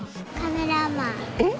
えっ？